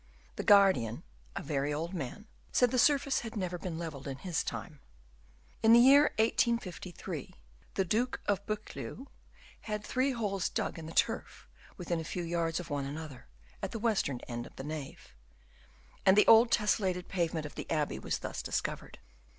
The guardian, a very old man, said the surface had never been levelled in his time. In the year 1853, the Duke of Buccleuch had three holes dug in the turf within a few yards of one another, at the western end of the nave ; and the old tesselated pavement of the abbey was thus discovered.